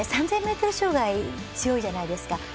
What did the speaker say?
３０００ｍ障害、強いじゃないですか。